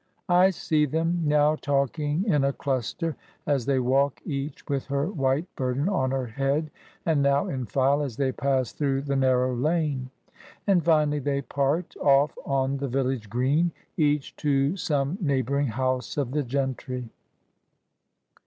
I see them, now talking in a cluster, as they walk each with her white burden on her head, and now in file, as they pass through the narrow lane; and finally they part off oh the village green, each to some neighbouring house of the gentry.